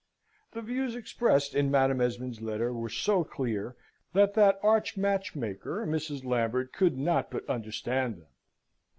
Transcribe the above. The views expressed in Madam Esmond's letter were so clear, that that arch match maker, Mrs. Lambert, could not but understand them.